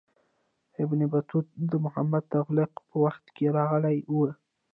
ابن بطوطه د محمد تغلق په وخت کې راغلی و.